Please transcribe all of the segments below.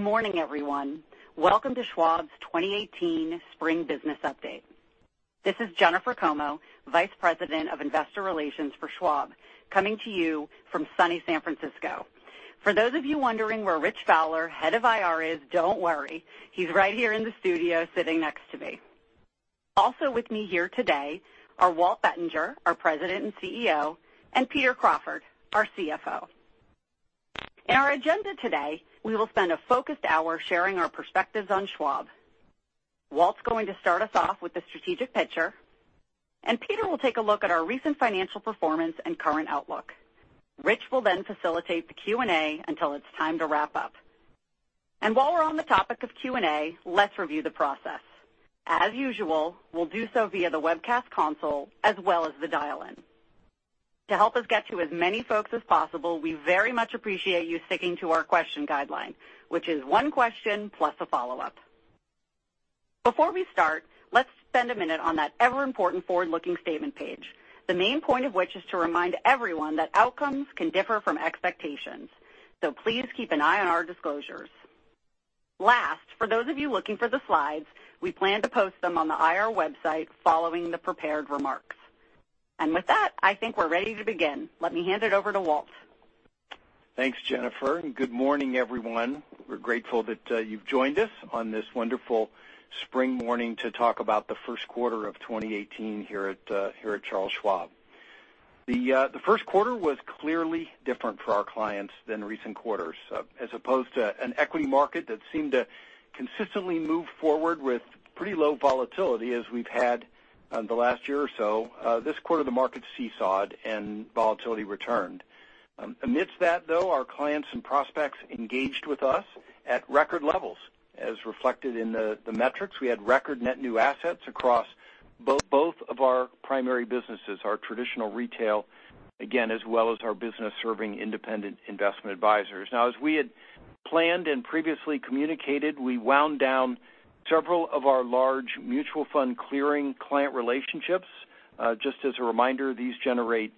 Good morning, everyone. Welcome to Schwab's 2018 Spring Business Update. This is Jennifer Comeau, Vice President of Investor Relations for Schwab, coming to you from sunny San Francisco. For those of you wondering where Rich Fowler, Head of IR, is, don't worry. He's right here in the studio sitting next to me. Also with me here today are Walt Bettinger, our President and CEO, and Peter Crawford, our CFO. In our agenda today, we will spend a focused hour sharing our perspectives on Schwab. Walt's going to start us off with the strategic picture, and Peter will take a look at our recent financial performance and current outlook. Rich will then facilitate the Q&A until it's time to wrap up. While we're on the topic of Q&A, let's review the process. As usual, we'll do so via the webcast console as well as the dial-in. To help us get to as many folks as possible, we very much appreciate you sticking to our question guideline, which is one question plus a follow-up. Before we start, let's spend a minute on that ever-important forward-looking statement page, the main point of which is to remind everyone that outcomes can differ from expectations. Please keep an eye on our disclosures. Last, for those of you looking for the slides, we plan to post them on the IR website following the prepared remarks. With that, I think we're ready to begin. Let me hand it over to Walt. Thanks, Jennifer, good morning, everyone. We're grateful that you've joined us on this wonderful spring morning to talk about the first quarter of 2018 here at Charles Schwab. The first quarter was clearly different for our clients than recent quarters. As opposed to an equity market that seemed to consistently move forward with pretty low volatility as we've had the last year or so, this quarter, the market seesawed and volatility returned. Amidst that, though, our clients and prospects engaged with us at record levels, as reflected in the metrics. We had record net new assets across both of our primary businesses, our traditional retail, again, as well as our business serving independent investment advisors. Now, as we had planned and previously communicated, we wound down several of our large mutual fund clearing client relationships. Just as a reminder, these generate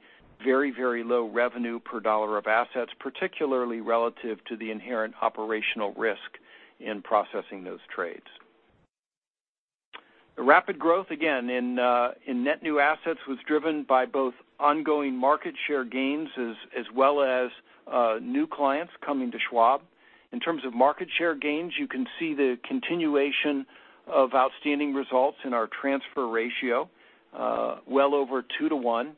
very low revenue per dollar of assets, particularly relative to the inherent operational risk in processing those trades. The rapid growth, again, in net new assets was driven by both ongoing market share gains as well as new clients coming to Schwab. In terms of market share gains, you can see the continuation of outstanding results in our transfer ratio, well over two to one.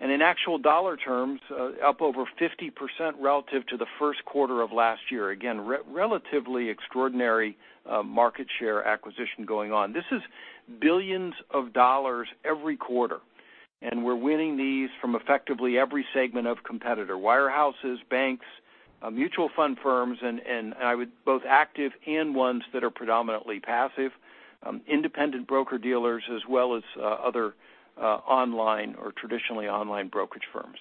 In actual dollar terms, up over 50% relative to the first quarter of last year. Again, relatively extraordinary market share acquisition going on. This is billions of dollars every quarter, we're winning these from effectively every segment of competitor, wirehouses, banks, mutual fund firms, both active and ones that are predominantly passive, independent broker-dealers as well as other online or traditionally online brokerage firms.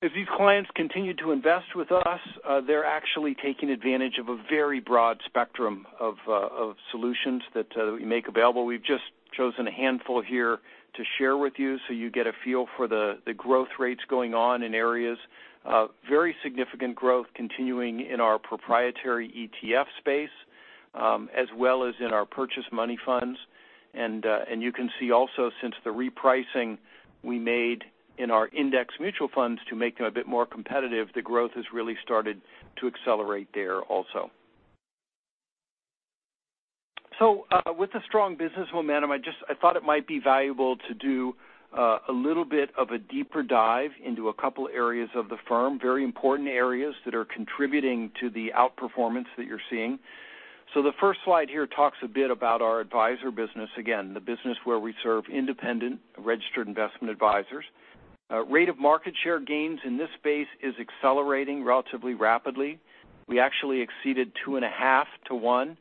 As these clients continue to invest with us, they're actually taking advantage of a very broad spectrum of solutions that we make available. We've just chosen a handful here to share with you so you get a feel for the growth rates going on in areas. Very significant growth continuing in our proprietary Schwab ETFs space, as well as in our purchased money funds. You can see also since the repricing we made in our index mutual funds to make them a bit more competitive, the growth has really started to accelerate there also. With the strong business momentum, I thought it might be valuable to do a little bit of a deeper dive into a couple areas of the firm, very important areas that are contributing to the outperformance that you're seeing. The first slide here talks a bit about our advisor business, again, the business where we serve independent registered investment advisors. Rate of market share gains in this space is accelerating relatively rapidly. We actually exceeded 2.5 to 1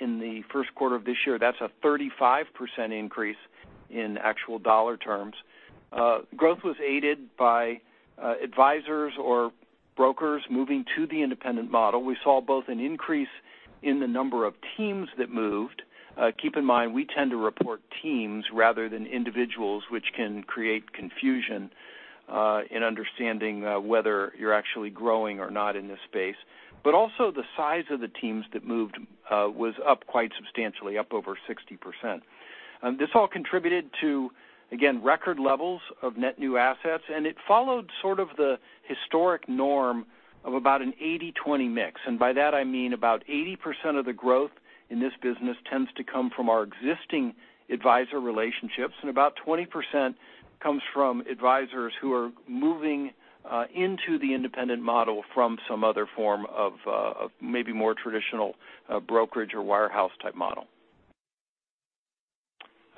in the first quarter of this year. That's a 35% increase in actual dollar terms. Growth was aided by advisors or brokers moving to the independent model. We saw both an increase in the number of teams that moved. Keep in mind, we tend to report teams rather than individuals, which can create confusion in understanding whether you're actually growing or not in this space. Also the size of the teams that moved was up quite substantially, up over 60%. This all contributed to, again, record levels of net new assets, it followed sort of the historic norm of about an 80/20 mix. By that I mean about 80% of the growth in this business tends to come from our existing advisor relationships, and about 20% comes from advisors who are moving into the independent model from some other form of maybe more traditional brokerage or wirehouse type model.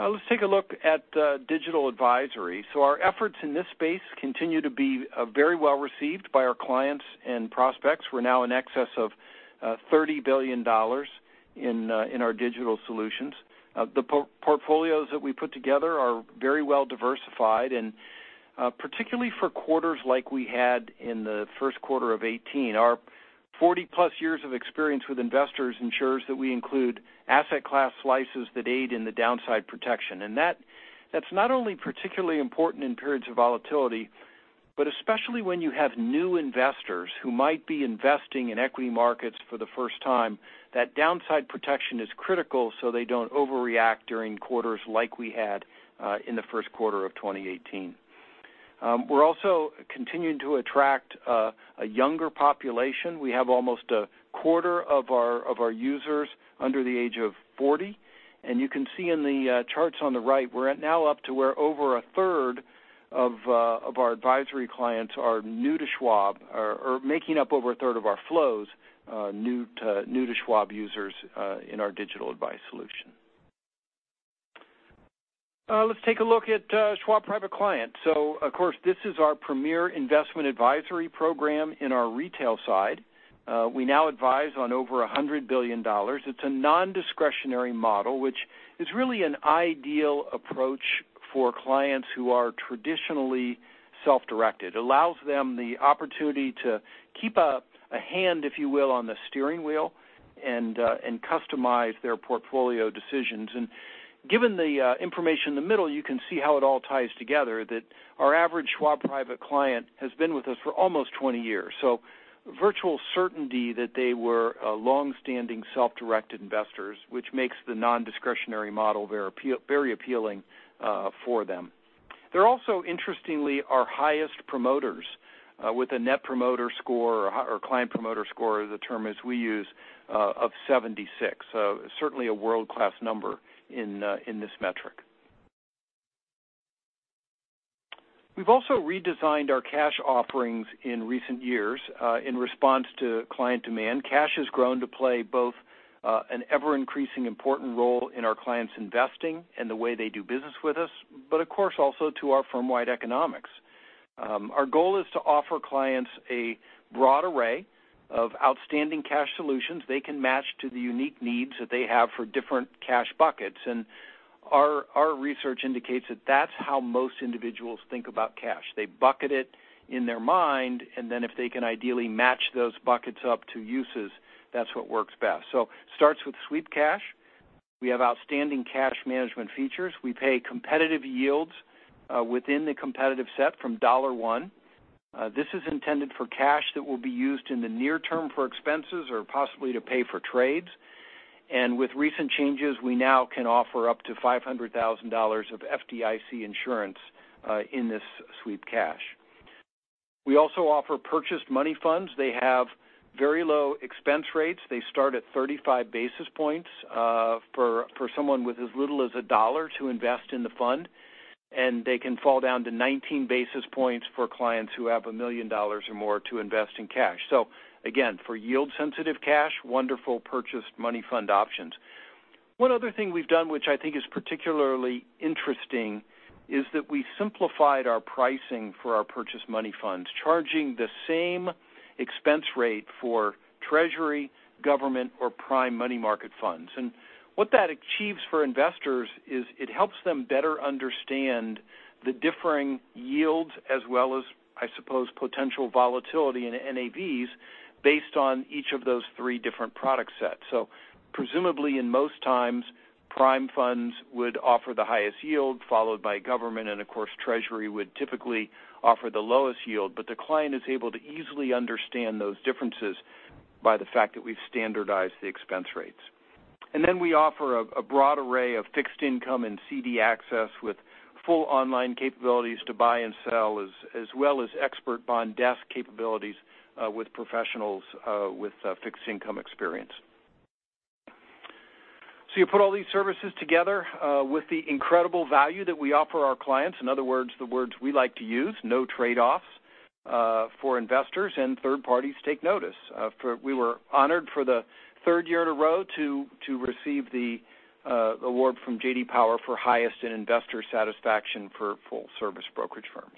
Let's take a look at digital advisory. Our efforts in this space continue to be very well received by our clients and prospects. We're now in excess of $30 billion in our digital solutions. The portfolios that we put together are very well diversified, and particularly for quarters like we had in the first quarter of 2018. Our 40-plus years of experience with investors ensures that we include asset class slices that aid in the downside protection. That's not only particularly important in periods of volatility, but especially when you have new investors who might be investing in equity markets for the first time, that downside protection is critical so they don't overreact during quarters like we had in the first quarter of 2018. We're also continuing to attract a younger population. We have almost a quarter of our users under the age of 40, and you can see in the charts on the right, we're now up to where over a third of our advisory clients are new to Schwab, or making up over a third of our flows, new to Schwab users in our digital advice solution. Let's take a look at Schwab Private Client. Of course, this is our premier investment advisory program in our retail side. We now advise on over $100 billion. It's a non-discretionary model, which is really an ideal approach for clients who are traditionally self-directed. Allows them the opportunity to keep a hand, if you will, on the steering wheel, and customize their portfolio decisions. Given the information in the middle, you can see how it all ties together, that our average Schwab Private Client has been with us for almost 20 years. Virtual certainty that they were longstanding self-directed investors, which makes the non-discretionary model very appealing for them. They're also, interestingly, our highest promoters, with a Net Promoter Score, or Client Promoter Score, the term as we use, of 76. Certainly a world-class number in this metric. We've also redesigned our cash offerings in recent years in response to client demand. Cash has grown to play both an ever-increasing important role in our clients' investing and the way they do business with us, but of course, also to our firm-wide economics. Our goal is to offer clients a broad array of outstanding cash solutions they can match to the unique needs that they have for different cash buckets. Our research indicates that that's how most individuals think about cash. They bucket it in their mind, and then if they can ideally match those buckets up to uses, that's what works best. Starts with sweep cash. We have outstanding cash management features. We pay competitive yields within the competitive set from $1. This is intended for cash that will be used in the near term for expenses or possibly to pay for trades. With recent changes, we now can offer up to $500,000 of FDIC insurance in this sweep cash. We also offer purchased money funds. They have very low expense rates. They start at 35 basis points for someone with as little as $1 to invest in the fund, and they can fall down to 19 basis points for clients who have $1 million or more to invest in cash. Again, for yield-sensitive cash, wonderful purchased money fund options. One other thing we've done, which I think is particularly interesting, is that we simplified our pricing for our purchased money funds, charging the same expense rate for Treasury, government, or prime money market funds. What that achieves for investors is it helps them better understand the differing yields as well as, I suppose, potential volatility in NAVs based on each of those three different product sets. Presumably, in most times, prime funds would offer the highest yield, followed by government, and of course, Treasury would typically offer the lowest yield. The client is able to easily understand those differences by the fact that we've standardized the expense rates. We offer a broad array of fixed income and CD access with full online capabilities to buy and sell, as well as expert bond desk capabilities with professionals with fixed income experience. You put all these services together with the incredible value that we offer our clients, in other words, the words we like to use, no trade-offs for investors, and third parties take notice. We were honored for the third year in a row to receive the award from J.D. Power for highest in investor satisfaction for full-service brokerage firms.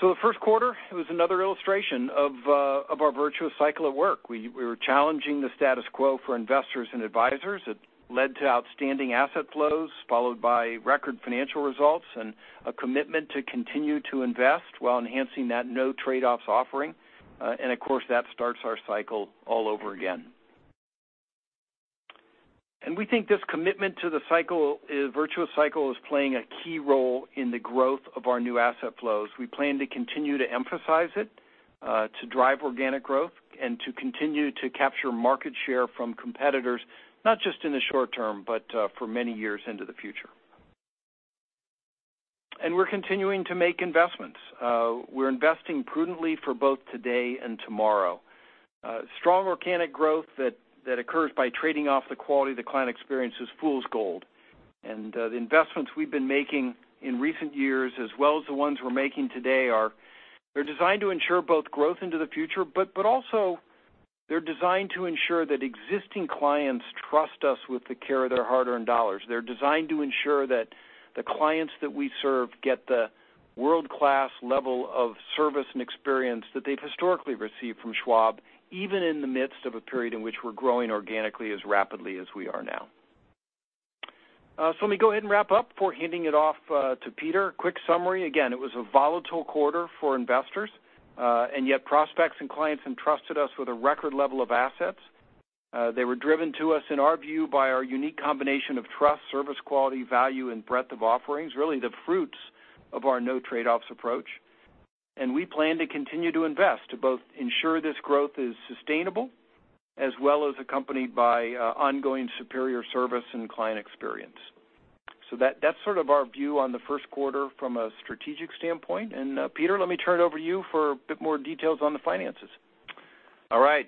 The first quarter was another illustration of our virtuous cycle at work. We were challenging the status quo for investors and advisors. It led to outstanding asset flows, followed by record financial results and a commitment to continue to invest while enhancing that no trade-offs offering. Of course, that starts our cycle all over again. We think this commitment to the virtuous cycle is playing a key role in the growth of our new asset flows. We plan to continue to emphasize it to drive organic growth and to continue to capture market share from competitors, not just in the short term, but for many years into the future. We're continuing to make investments. We're investing prudently for both today and tomorrow. Strong organic growth that occurs by trading off the quality of the client experience is fool's gold. The investments we've been making in recent years, as well as the ones we're making today, they're designed to ensure both growth into the future, but also they're designed to ensure that existing clients trust us with the care of their hard-earned dollars. They're designed to ensure that the clients that we serve get the world-class level of service and experience that they've historically received from Schwab, even in the midst of a period in which we're growing organically as rapidly as we are now. Let me go ahead and wrap up before handing it off to Peter. Quick summary. Again, it was a volatile quarter for investors, and yet prospects and clients entrusted us with a record level of assets. They were driven to us, in our view, by our unique combination of trust, service quality, value, and breadth of offerings, really the fruits of our no trade-offs approach. We plan to continue to invest to both ensure this growth is sustainable, as well as accompanied by ongoing superior service and client experience. That's sort of our view on the first quarter from a strategic standpoint. Peter, let me turn it over to you for a bit more details on the finances. All right.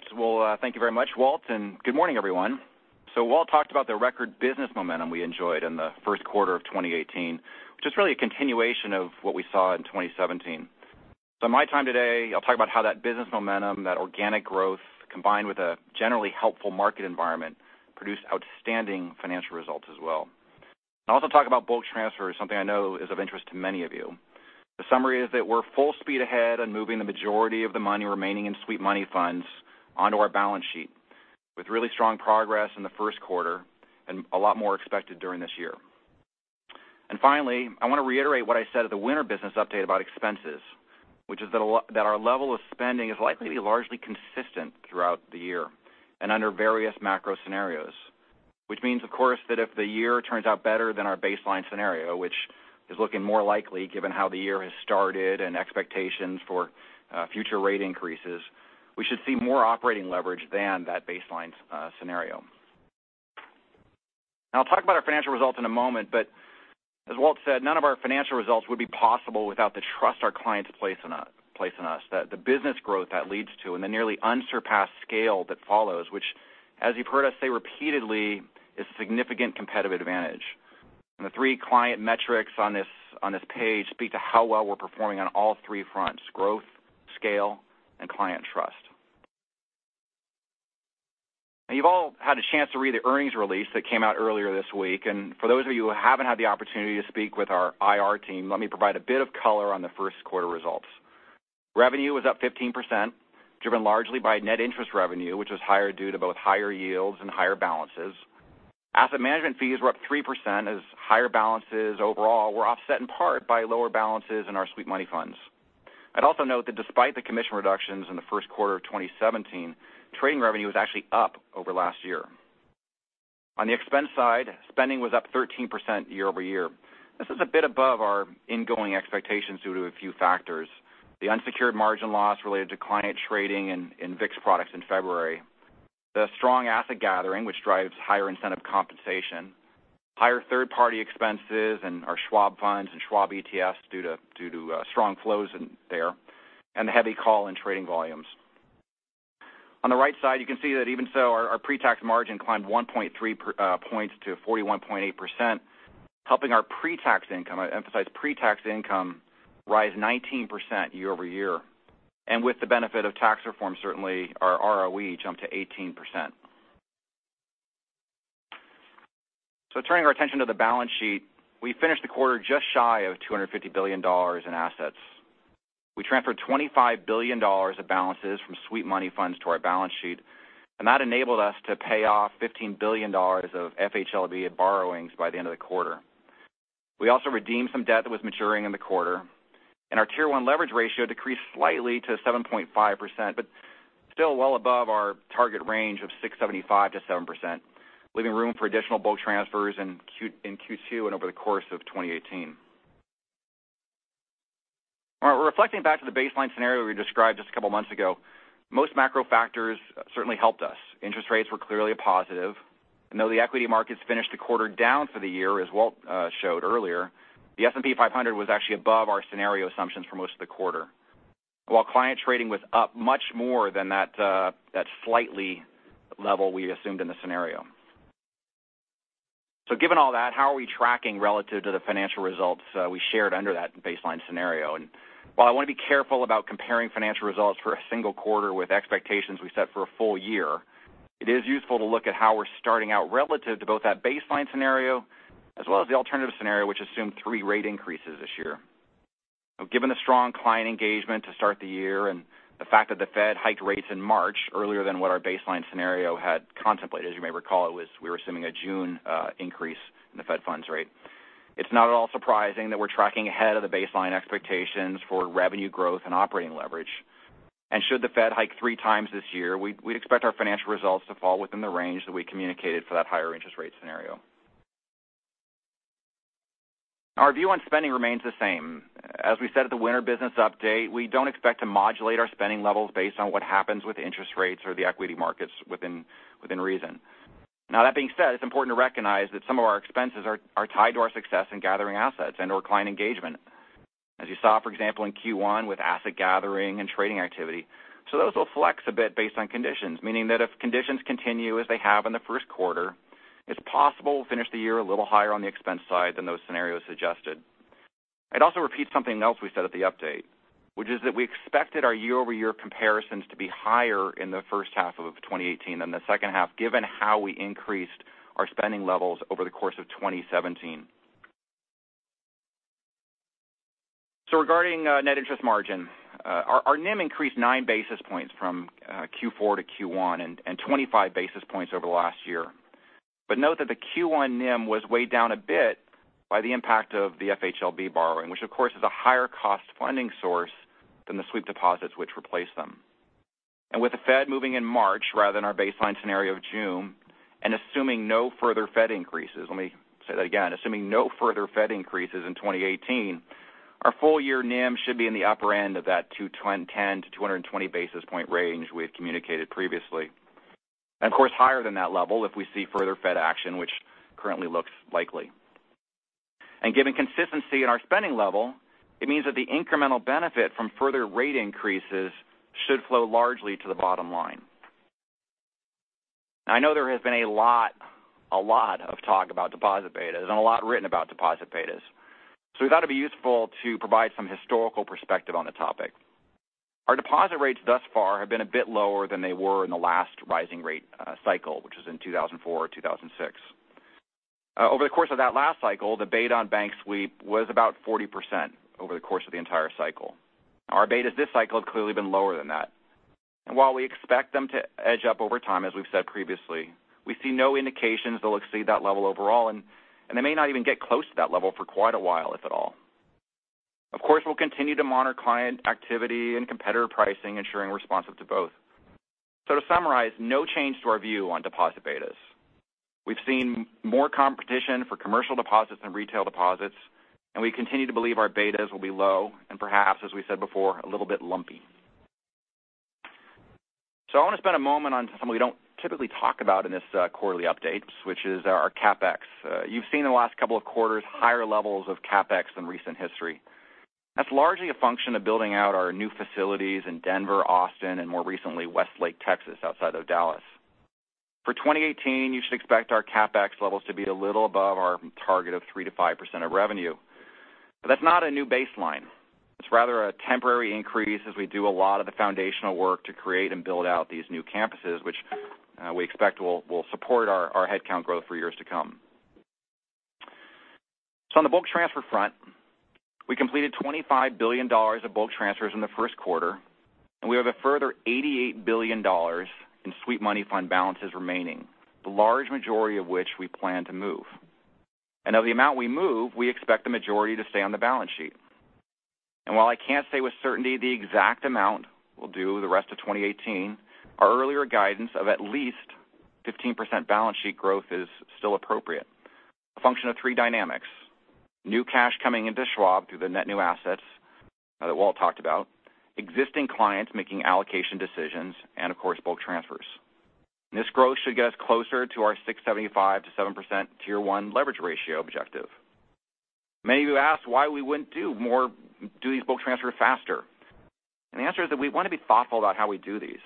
Thank you very much, Walt, good morning, everyone. Walt talked about the record business momentum we enjoyed in the first quarter of 2018, which is really a continuation of what we saw in 2017. My time today, I'll talk about how that business momentum, that organic growth, combined with a generally helpful market environment, produced outstanding financial results as well. I'll also talk about bulk transfer, something I know is of interest to many of you. The summary is that we're full speed ahead on moving the majority of the money remaining in sweep money funds onto our balance sheet with really strong progress in the first quarter and a lot more expected during this year. Finally, I want to reiterate what I said at the Winter Business Update about expenses, which is that our level of spending is likely to be largely consistent throughout the year and under various macro scenarios. Which means, of course, that if the year turns out better than our baseline scenario, which is looking more likely given how the year has started and expectations for future rate increases, we should see more operating leverage than that baseline scenario. Now I'll talk about our financial results in a moment, but as Walt said, none of our financial results would be possible without the trust our clients place in us, the business growth that leads to, and the nearly unsurpassed scale that follows, which, as you've heard us say repeatedly, is a significant competitive advantage. The three client metrics on this page speak to how well we're performing on all three fronts, growth, scale, and client trust. Now you've all had a chance to read the earnings release that came out earlier this week. For those of you who haven't had the opportunity to speak with our IR team, let me provide a bit of color on the first quarter results. Revenue was up 15%, driven largely by net interest revenue, which was higher due to both higher yields and higher balances. Asset management fees were up 3% as higher balances overall were offset in part by lower balances in our sweep money funds. I'd also note that despite the commission reductions in the first quarter of 2017, trading revenue was actually up over last year. On the expense side, spending was up 13% year-over-year. This is a bit above our ingoing expectations due to a few factors. The unsecured margin loss related to client trading in VIX products in February, the strong asset gathering, which drives higher incentive compensation, higher third-party expenses in our Schwab Funds and Schwab ETFs due to strong flows there, and the heavy call in trading volumes. On the right side, you can see that even so, our pre-tax margin climbed 1.3 points to 41.8%, helping our pre-tax income, I emphasize pre-tax income, rise 19% year-over-year. With the benefit of tax reform, certainly our ROE jumped to 18%. Turning our attention to the balance sheet, we finished the quarter just shy of $250 billion in assets. We transferred $25 billion of balances from sweep money funds to our balance sheet, that enabled us to pay off $15 billion of FHLB borrowings by the end of the quarter. We also redeemed some debt that was maturing in the quarter, our Tier 1 leverage ratio decreased slightly to 7.5%, but still well above our target range of 6.75%-7%, leaving room for additional bulk transfers in Q2 and over the course of 2018. All right. Reflecting back to the baseline scenario we described just a couple of months ago, most macro factors certainly helped us. Interest rates were clearly a positive. Though the equity markets finished a quarter down for the year, as Walt showed earlier, the S&P 500 was actually above our scenario assumptions for most of the quarter, while client trading was up much more than that slightly level we assumed in the scenario. Given all that, how are we tracking relative to the financial results we shared under that baseline scenario? While I want to be careful about comparing financial results for a single quarter with expectations we set for a full year, it is useful to look at how we're starting out relative to both that baseline scenario as well as the alternative scenario, which assumed three rate increases this year. Given the strong client engagement to start the year and the fact that the Fed hiked rates in March earlier than what our baseline scenario had contemplated, as you may recall, we were assuming a June increase in the Fed funds rate. It's not at all surprising that we're tracking ahead of the baseline expectations for revenue growth and operating leverage. Should the Fed hike three times this year, we'd expect our financial results to fall within the range that we communicated for that higher interest rate scenario. Our view on spending remains the same. As we said at the Winter Business Update, we don't expect to modulate our spending levels based on what happens with interest rates or the equity markets within reason. That being said, it's important to recognize that some of our expenses are tied to our success in gathering assets and/or client engagement. As you saw, for example, in Q1 with asset gathering and trading activity. Those will flex a bit based on conditions, meaning that if conditions continue as they have in the first quarter, it's possible we'll finish the year a little higher on the expense side than those scenarios suggested. I'd also repeat something else we said at the update, which is that we expected our year-over-year comparisons to be higher in the first half of 2018 than the second half, given how we increased our spending levels over the course of 2017. Regarding net interest margin, our NIM increased nine basis points from Q4 to Q1 and 25 basis points over the last year. Note that the Q1 NIM was weighed down a bit by the impact of the FHLB borrowing, which of course is a higher cost funding source than the sweep deposits which replaced them. With the Fed moving in March rather than our baseline scenario of June, assuming no further Fed increases, let me say that again, assuming no further Fed increases in 2018, our full-year NIM should be in the upper end of that 210 to 220 basis point range we've communicated previously. Of course, higher than that level if we see further Fed action, which currently looks likely. Given consistency in our spending level, it means that the incremental benefit from further rate increases should flow largely to the bottom line. I know there has been a lot of talk about deposit betas and a lot written about deposit betas. We thought it would be useful to provide some historical perspective on the topic. Our deposit rates thus far have been a bit lower than they were in the last rising rate cycle, which was in 2004, 2006. Over the course of that last cycle, the deposit beta on bank sweep was about 40% over the course of the entire cycle. Our deposit betas this cycle have clearly been lower than that. While we expect them to edge up over time, as we've said previously, we see no indications they'll exceed that level overall and they may not even get close to that level for quite a while, if at all. Of course, we'll continue to monitor client activity and competitor pricing, ensuring we're responsive to both. To summarize, no change to our view on deposit betas. We've seen more competition for commercial deposits than retail deposits, and we continue to believe our deposit betas will be low and perhaps, as we said before, a little bit lumpy. I want to spend a moment on something we don't typically talk about in this quarterly update, which is our CapEx. You've seen in the last couple of quarters higher levels of CapEx than recent history. That's largely a function of building out our new facilities in Denver, Austin, and more recently, Westlake, Texas, outside of Dallas. For 2018, you should expect our CapEx levels to be a little above our target of 3%-5% of revenue. That's not a new baseline. It's rather a temporary increase as we do a lot of the foundational work to create and build out these new campuses, which we expect will support our headcount growth for years to come. On the bulk transfer front, we completed $25 billion of bulk transfers in the first quarter, and we have a further $88 billion in sweep money fund balances remaining, the large majority of which we plan to move. Of the amount we move, we expect the majority to stay on the balance sheet. While I can't say with certainty the exact amount we'll do the rest of 2018, our earlier guidance of at least 15% balance sheet growth is still appropriate. A function of three dynamics, new cash coming into Schwab through the net new assets that Walt talked about, existing clients making allocation decisions, and of course, bulk transfers. This growth should get us closer to our 6.75%-7% Tier 1 leverage ratio objective. Many of you asked why we wouldn't do more, do these bulk transfers faster. The answer is that we want to be thoughtful about how we do these.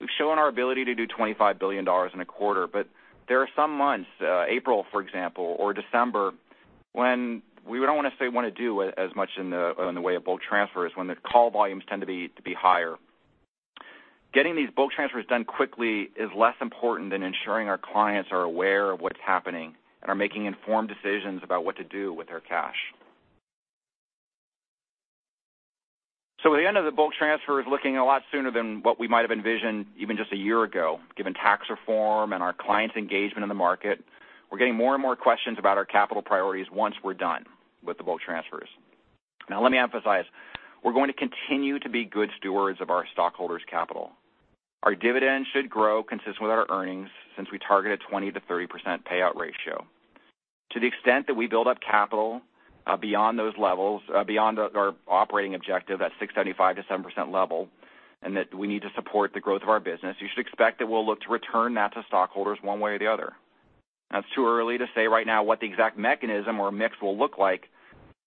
We've shown our ability to do $25 billion in a quarter, but there are some months, April, for example, or December, when we don't want to do as much in the way of bulk transfers when the call volumes tend to be higher. Getting these bulk transfers done quickly is less important than ensuring our clients are aware of what's happening and are making informed decisions about what to do with their cash. At the end of the bulk transfer is looking a lot sooner than what we might have envisioned even just a year ago, given tax reform and our clients' engagement in the market. We're getting more and more questions about our capital priorities once we're done with the bulk transfers. Let me emphasize, we're going to continue to be good stewards of our stockholders' capital. Our dividend should grow consistent with our earnings since we target a 20%-30% payout ratio. To the extent that we build up capital beyond those levels, beyond our operating objective at 675 to 7% level, and that we need to support the growth of our business, you should expect that we'll look to return that to stockholders one way or the other. It's too early to say right now what the exact mechanism or mix will look like,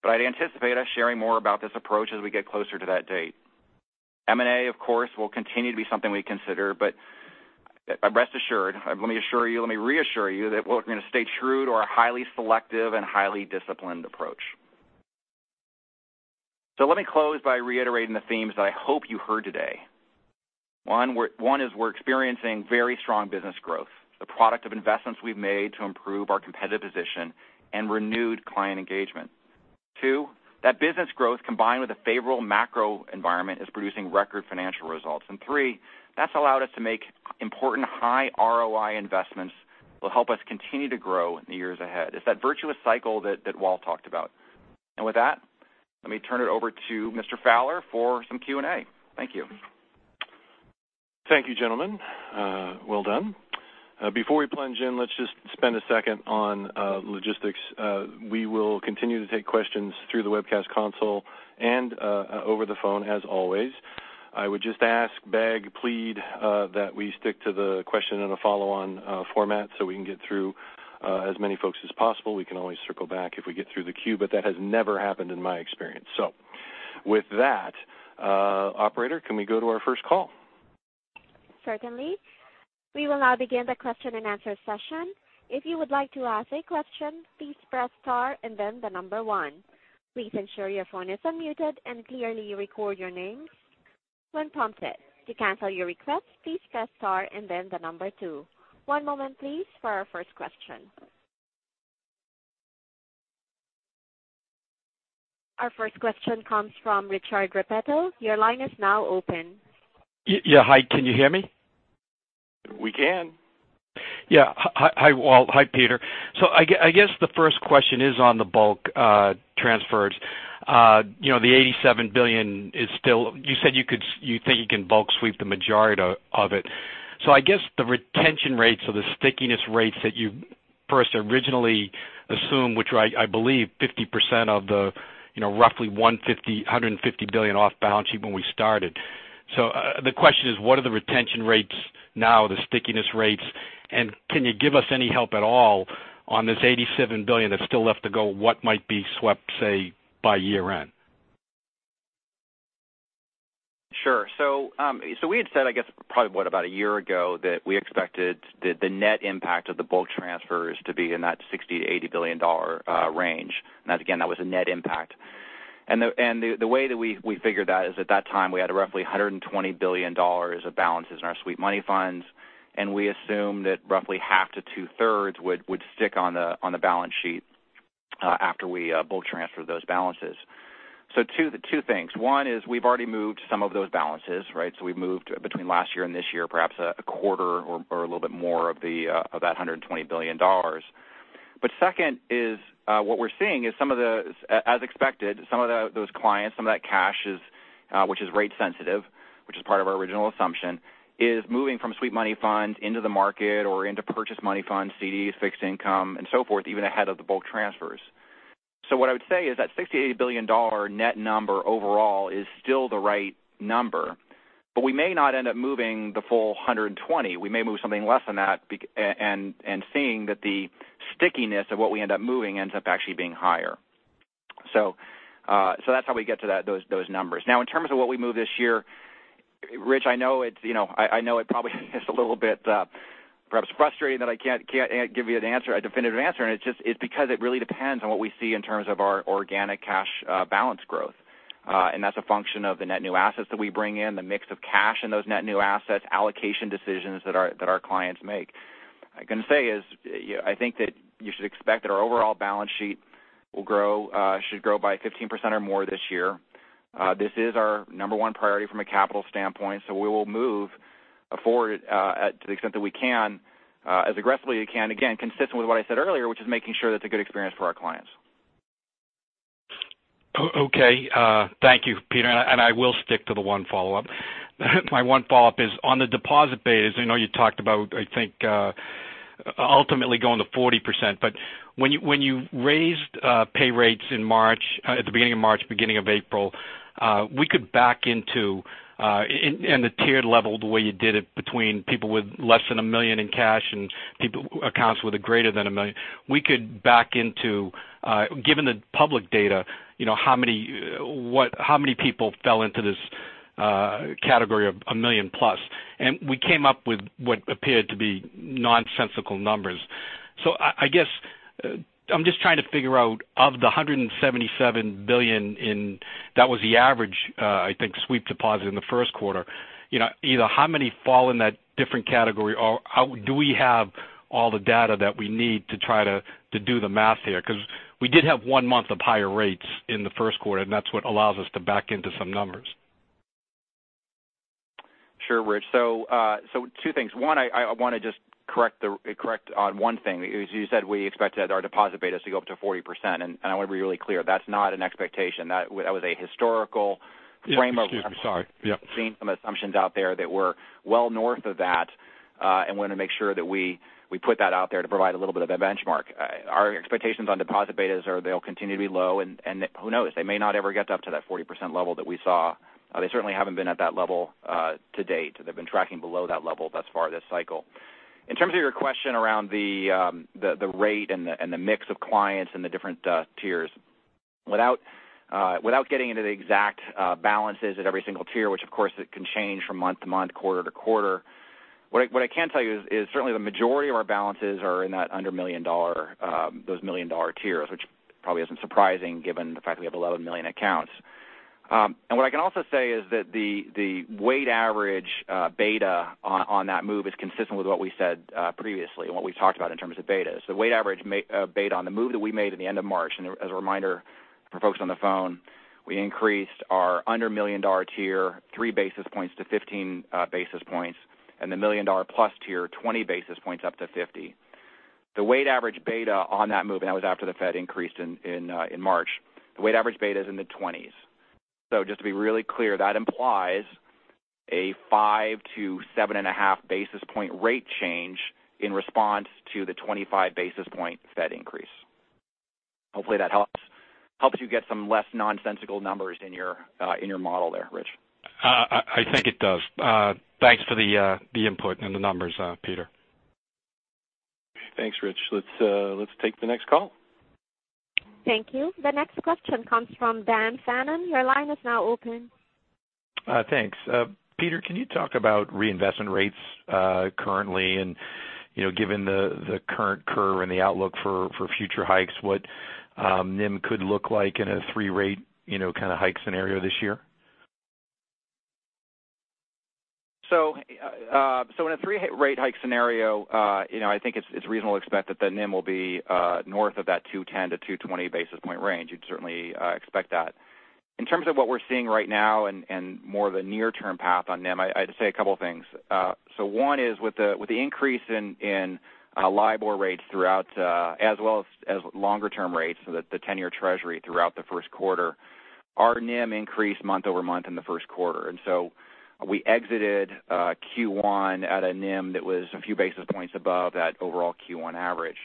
but I'd anticipate us sharing more about this approach as we get closer to that date. M&A, of course, will continue to be something we consider, but rest assured, let me assure you, let me reassure you that we're going to stay true to our highly selective and highly disciplined approach. Let me close by reiterating the themes that I hope you heard today. One is we're experiencing very strong business growth, the product of investments we've made to improve our competitive position and renewed client engagement. Two, that business growth combined with a favorable macro environment is producing record financial results. Three, that's allowed us to make important high ROI investments that will help us continue to grow in the years ahead. It's that virtuous cycle that Walt talked about. With that, let me turn it over to Mr. Fowler for some Q&A. Thank you. Thank you, gentlemen. Well done. Before we plunge in, let's just spend a second on logistics. We will continue to take questions through the webcast console and over the phone as always. I would just ask, beg, plead that we stick to the question and a follow-on format so we can get through as many folks as possible. We can always circle back if we get through the queue, but that has never happened in my experience. With that, operator, can we go to our first call? Certainly. We will now begin the question and answer session. If you would like to ask a question, please press star and then the number 1. Please ensure your phone is unmuted and clearly record your names when prompted. To cancel your request, please press star and then the number 2. One moment please for our first question. Our first question comes from Richard Repetto. Your line is now open. Yeah. Hi, can you hear me? We can. Yeah. Hi, Walt. Hi, Peter. I guess the first question is on the bulk transfers. The $87 billion, you said you think you can bulk sweep the majority of it. I guess the retention rates or the stickiness rates that you first originally assumed, which were I believe 50% of the roughly $150 billion off balance sheet when we started. The question is, what are the retention rates now, the stickiness rates, and can you give us any help at all on this $87 billion that's still left to go, what might be swept, say, by year-end? Sure. We had said, I guess probably about a year ago, that we expected the net impact of the bulk transfers to be in that $60 billion-$80 billion range. Again, that was a net impact. The way that we figured that is at that time, we had roughly $120 billion of balances in our sweep money funds, and we assumed that roughly half to two-thirds would stick on the balance sheet after we bulk transfer those balances. Two things. One is we've already moved some of those balances. We've moved between last year and this year, perhaps a quarter or a little bit more of that $120 billion. Second is what we're seeing is, as expected, some of those clients, some of that cash which is rate sensitive, which is part of our original assumption, is moving from sweep money funds into the market or into purchased money funds, CDs, fixed income, and so forth, even ahead of the bulk transfers. What I would say is that $60 billion-$80 billion net number overall is still the right number, but we may not end up moving the full 120. We may move something less than that and seeing that the stickiness of what we end up moving ends up actually being higher. That's how we get to those numbers. In terms of what we move this year, Rich, I know it probably is a little bit perhaps frustrating that I can't give you a definitive answer, and it's because it really depends on what we see in terms of our organic cash balance growth. That's a function of the net new assets that we bring in, the mix of cash in those net new assets, allocation decisions that our clients make. I can say is I think that you should expect that our overall balance sheet should grow by 15% or more this year. This is our number one priority from a capital standpoint, we will move forward to the extent that we can, as aggressively as we can, again, consistent with what I said earlier, which is making sure that it's a good experience for our clients. Okay. Thank you, Peter, and I will stick to the one follow-up. My one follow-up is on the deposit base. I know you talked about, I think, ultimately going to 40%, but when you raised pay rates at the beginning of March, beginning of April, we could back into-- and the tiered level, the way you did it between people with less than $1 million in cash and accounts with greater than $1 million, we could back into, given the public data, how many people fell into this category of $1 million plus. We came up with what appeared to be nonsensical numbers. I guess I'm just trying to figure out of the $177 billion, that was the average, I think, sweep deposit in the first quarter. Either how many fall in that different category, or do we have all the data that we need to try to do the math here? Because we did have one month of higher rates in the first quarter, that's what allows us to back into some numbers. Sure, Rich. Two things. One, I want to just correct on one thing. You said we expected our deposit base to go up to 40%. I want to be really clear. That's not an expectation. That was a historical framework. Yes. Excuse me. Sorry. Yep. Seeing some assumptions out there that were well north of that. Wanted to make sure that we put that out there to provide a little bit of a benchmark. Our expectations on deposit betas are they'll continue to be low. Who knows? They may not ever get up to that 40% level that we saw. They certainly haven't been at that level to date. They've been tracking below that level thus far this cycle. In terms of your question around the rate and the mix of clients and the different tiers, without getting into the exact balances at every single tier, which of course can change from month to month, quarter to quarter, what I can tell you is certainly the majority of our balances are in that under those million-dollar tiers, which probably isn't surprising given the fact we have 11 million accounts. What I can also say is that the weight average beta on that move is consistent with what we said previously and what we've talked about in terms of betas. The weight average beta on the move that we made at the end of March, and as a reminder for folks on the phone, we increased our under million-dollar tier three basis points to 15 basis points, and the million-dollar-plus tier, 20 basis points up to 50. The weight average beta on that move, and that was after the Fed increased in March. The weight average beta is in the twenties. Just to be really clear, that implies a five to seven and a half basis point rate change in response to the 25 basis point Fed increase. Hopefully, that helps you get some less nonsensical numbers in your model there, Rich. I think it does. Thanks for the input and the numbers, Peter. Thanks, Rich. Let's take the next call. Thank you. The next question comes from Dan Fannon. Your line is now open. Thanks. Peter, can you talk about reinvestment rates currently, and given the current curve and the outlook for future hikes, what NIM could look like in a three-rate kind of hike scenario this year? In a three-rate hike scenario, I think it's reasonable to expect that the NIM will be north of that 210-220 basis point range. You'd certainly expect that. In terms of what we're seeing right now and more of a near-term path on NIM, I'd say a couple of things. One is with the increase in LIBOR rates, as well as longer-term rates, so the 10-year Treasury throughout the first quarter, our NIM increased month-over-month in the first quarter. We exited Q1 at a NIM that was a few basis points above that overall Q1 average.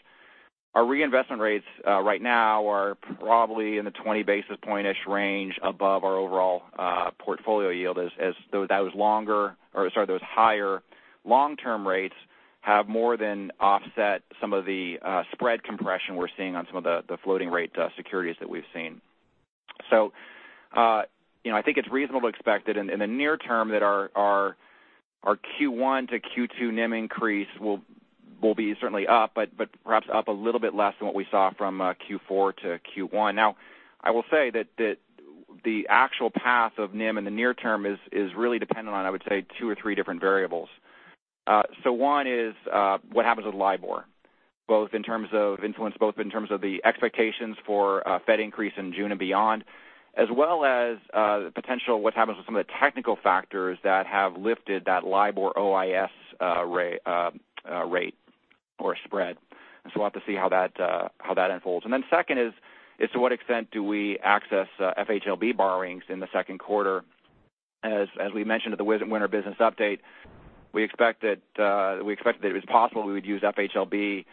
Our reinvestment rates right now are probably in the 20 basis point-ish range above our overall portfolio yield as those higher long-term rates have more than offset some of the spread compression we're seeing on some of the floating rate securities that we've seen. I think it's reasonable to expect that in the near term that our Q1 to Q2 NIM increase will be certainly up, but perhaps up a little bit less than what we saw from Q4 to Q1. Now, I will say that the actual path of NIM in the near term is really dependent on, I would say, two or three different variables. One is what happens with LIBOR, both in terms of influence, both in terms of the expectations for a Fed increase in June and beyond, as well as potential what happens with some of the technical factors that have lifted that LIBOR-OIS rate or spread. We'll have to see how that unfolds. Second is to what extent do we access FHLB borrowings in the second quarter? As we mentioned at the Winter Business Update, we expect that it was possible we would use FHLB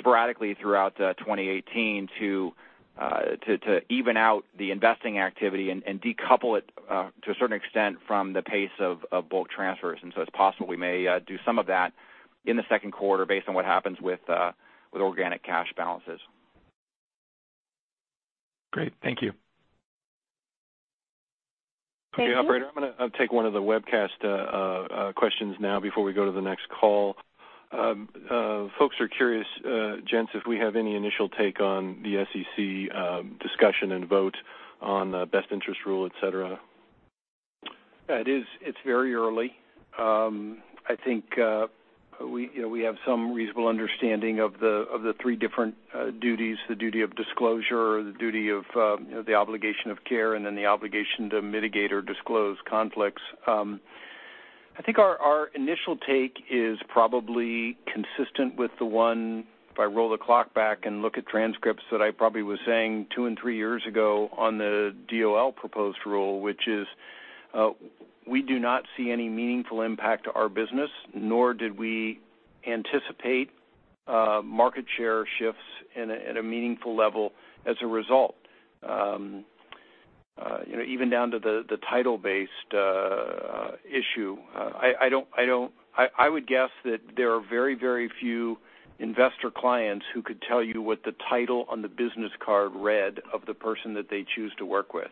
sporadically throughout 2018 to even out the investing activity and decouple it, to a certain extent, from the pace of bulk transfers. It's possible we may do some of that in the second quarter based on what happens with organic cash balances. Great. Thank you. Okay, operator, I'm going to take one of the webcast questions now before we go to the next call. Folks are curious, gents, if we have any initial take on the SEC discussion and vote on the Regulation Best Interest, et cetera. It's very early. I think we have some reasonable understanding of the three different duties, the duty of disclosure, the duty of the obligation of care, and then the obligation to mitigate or disclose conflicts. I think our initial take is probably consistent with the one, if I roll the clock back and look at transcripts that I probably was saying two and three years ago on the DOL proposed rule, which is we do not see any meaningful impact to our business, nor did we anticipate market share shifts at a meaningful level as a result. Even down to the title-based issue, I would guess that there are very few investor clients who could tell you what the title on the business card read of the person that they choose to work with.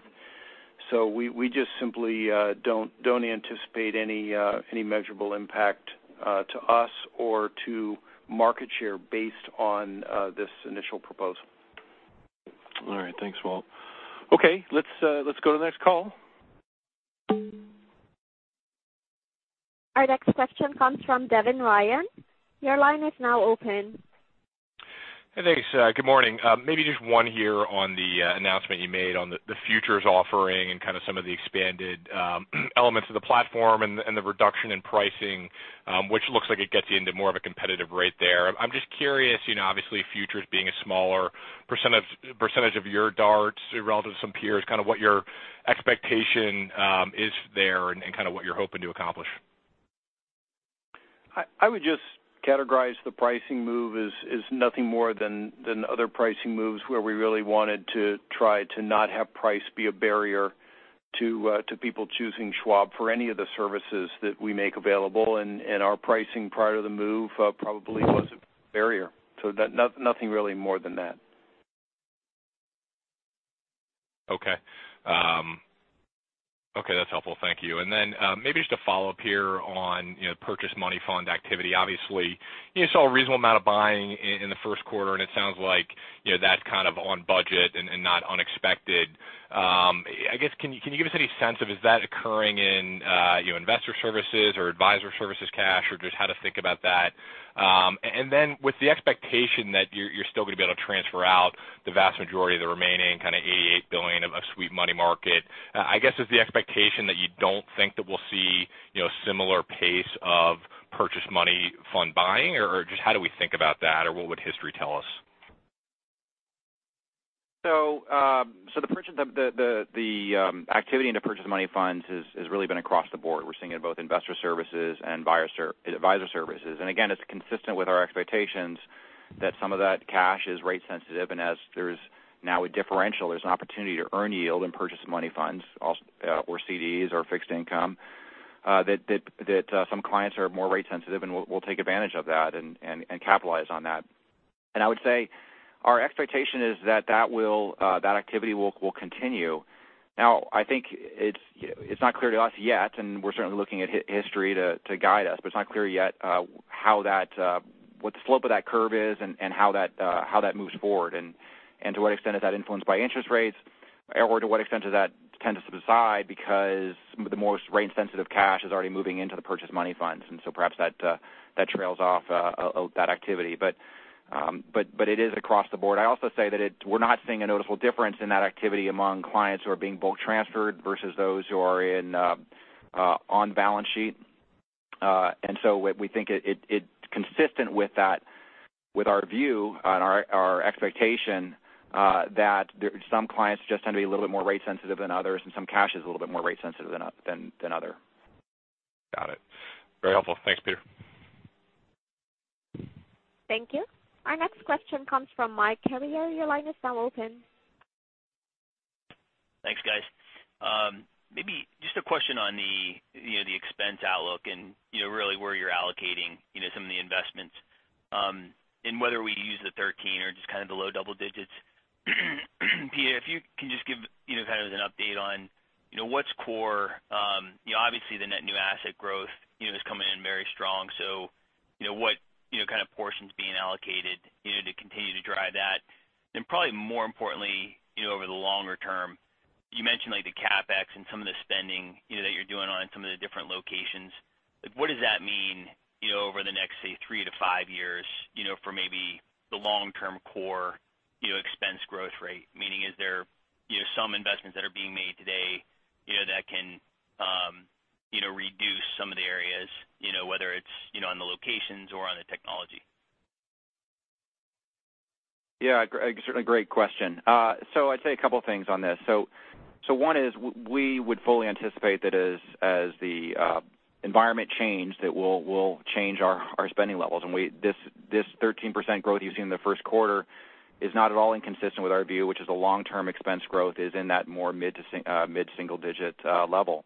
We just simply don't anticipate any measurable impact to us or to market share based on this initial proposal. All right. Thanks, Walt. Okay. Let's go to the next call. Our next question comes from Devin Ryan. Your line is now open. Hey, thanks. Good morning. Maybe just one here on the announcement you made on the futures offering and kind of some of the expanded elements of the platform and the reduction in pricing, which looks like it gets you into more of a competitive rate there. I'm just curious, obviously futures being a smaller % of your DARTs relative to some peers, kind of what your expectation is there and kind of what you're hoping to accomplish. I would just categorize the pricing move as nothing more than other pricing moves where we really wanted to try to not have price be a barrier to people choosing Schwab for any of the services that we make available. Our pricing prior to the move probably was a barrier. Nothing really more than that. Okay. That's helpful. Thank you. Then maybe just a follow-up here on purchase money fund activity. Obviously, you saw a reasonable amount of buying in the first quarter, and it sounds like that's kind of on budget and not unexpected. I guess, can you give us any sense of is that occurring in your Investor Services or Advisor Services cash or just how to think about that? Then with the expectation that you're still going to be able to transfer out the vast majority of the remaining kind of $88 billion of sweep money market, I guess is the expectation that you don't think that we'll see similar pace of purchase money fund buying, or just how do we think about that, or what would history tell us? The activity into purchased money funds has really been across the board. We're seeing it in both Investor Services and Advisor Services. Again, it's consistent with our expectations that some of that cash is rate sensitive, and as there's now a differential, there's an opportunity to earn yield and purchased money funds or CDs or fixed income, that some clients are more rate sensitive and will take advantage of that and capitalize on that. I would say our expectation is that activity will continue. I think it's not clear to us yet, and we're certainly looking at history to guide us, but it's not clear yet what the slope of that curve is and how that moves forward, and to what extent is that influenced by interest rates. To what extent does that tend to subside because the most rate-sensitive cash is already moving into the purchased money funds, perhaps that trails off that activity. It is across the board. I also say that we're not seeing a noticeable difference in that activity among clients who are being bulk transferred versus those who are on balance sheet. We think it's consistent with our view and our expectation that some clients just tend to be a little bit more rate sensitive than others, and some cash is a little bit more rate sensitive than other. Got it. Very helpful. Thanks, Peter. Thank you. Our next question comes from Mike Carrier. Your line is now open. Thanks, guys. Maybe just a question on the expense outlook and really where you're allocating some of the investments, and whether we use the 13% or just kind of the low double-digits. Peter, if you can just give kind of an update on what's core. Obviously, the net new asset growth is coming in very strong, what kind of portion's being allocated to continue to drive that? Probably more importantly, over the longer term, you mentioned the CapEx and some of the spending that you're doing on some of the different locations. What does that mean over the next, say, 3-5 years for maybe the long-term core expense growth rate? Meaning, is there some investments that are being made today that can reduce some of the areas, whether it's on the locations or on the technology? Yeah, certainly great question. I'd say a couple of things on this. One is we would fully anticipate that as the environment change, that we'll change our spending levels. This 13% growth you've seen in the first quarter is not at all inconsistent with our view, which is a long-term expense growth is in that more mid-single-digit level.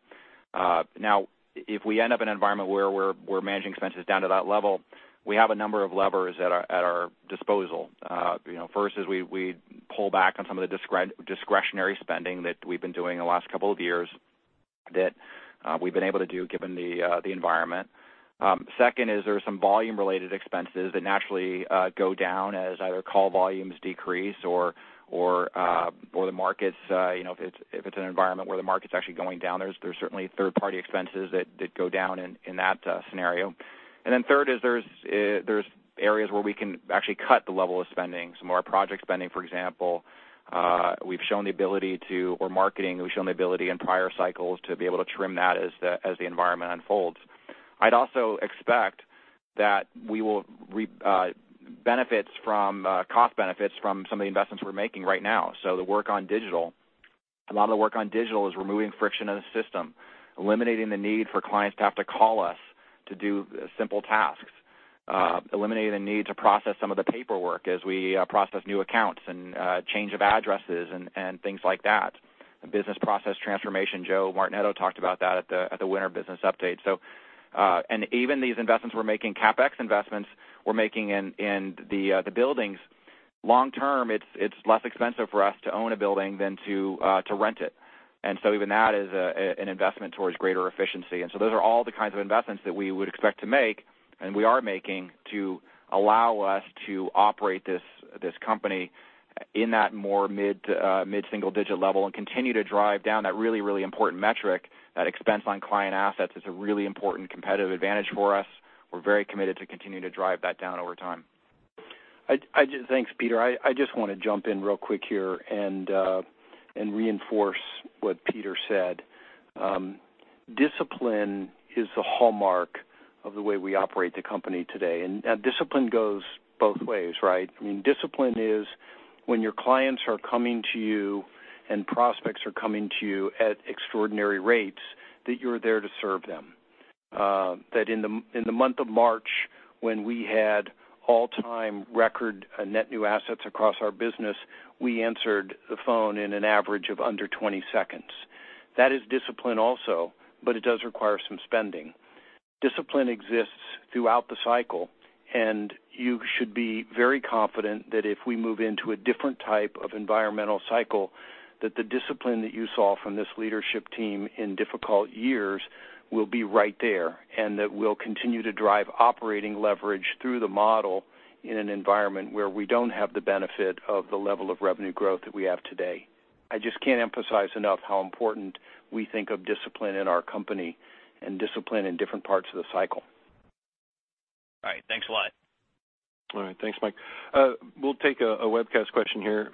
Now, if we end up in an environment where we're managing expenses down to that level, we have a number of levers at our disposal. First is we pull back on some of the discretionary spending that we've been doing in the last couple of years that we've been able to do given the environment. Second is there's some volume-related expenses that naturally go down as either call volumes decrease or if it's an environment where the market's actually going down, there's certainly third-party expenses that go down in that scenario. Third is there's areas where we can actually cut the level of spending. Some of our project spending, for example, or marketing, we've shown the ability in prior cycles to be able to trim that as the environment unfolds. I'd also expect that we will benefits from cost benefits from some of the investments we're making right now. The work on digital. A lot of the work on digital is removing friction in the system, eliminating the need for clients to have to call us to do simple tasks, eliminating the need to process some of the paperwork as we process new accounts and change of addresses and things like that. Business process transformation, Joe Martinetto talked about that at the Winter Business Update. Even these investments we're making, CapEx investments we're making in the buildings, long-term, it's less expensive for us to own a building than to rent it. Even that is an investment towards greater efficiency. Those are all the kinds of investments that we would expect to make, and we are making to allow us to operate this company in that more mid-single-digit level and continue to drive down that really important metric, that expense on client assets is a really important competitive advantage for us. We're very committed to continue to drive that down over time. Thanks, Peter. I just want to jump in real quick here and reinforce what Peter said. Discipline is the hallmark of the way we operate the company today, discipline goes both ways, right? Discipline is when your clients are coming to you and prospects are coming to you at extraordinary rates, that you're there to serve them. That in the month of March, when we had all-time record net new assets across our business, we answered the phone in an average of under 20 seconds. That is discipline also, it does require some spending. Discipline exists throughout the cycle, you should be very confident that if we move into a different type of environmental cycle, that the discipline that you saw from this leadership team in difficult years will be right there, we'll continue to drive operating leverage through the model in an environment where we don't have the benefit of the level of revenue growth that we have today. I just can't emphasize enough how important we think of discipline in our company and discipline in different parts of the cycle. All right. Thanks a lot. All right. Thanks, Mike. We'll take a webcast question here.